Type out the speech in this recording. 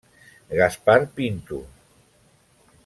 Gaspar Pinto.